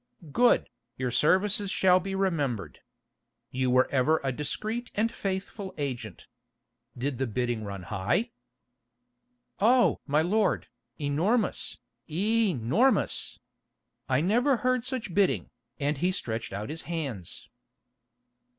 "Good, your services shall be remembered. You were ever a discreet and faithful agent. Did the bidding run high?" "Oh! my lord, enormous, ee—normous. I never heard such bidding," and he stretched out his hands.